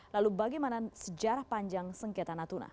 lalu bagaimana sejarah panjang sengketa natuna